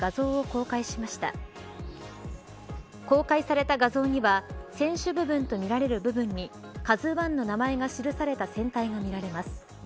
公開された画像には船首部分とみられる部分にＫＡＺＵ１の名前が記された船体が見られます。